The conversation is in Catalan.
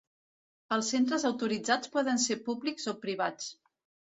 Els centres autoritzats poden ser públics o privats.